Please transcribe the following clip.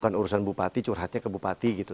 bukan urusan bupati curhatnya ke bupati gitu